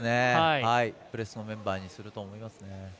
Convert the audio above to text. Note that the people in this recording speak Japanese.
プレスのメンバーにすると思いますね。